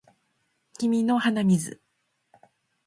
君の鼻水